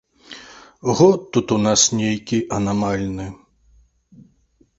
Год у нас тут нейкі анамальны!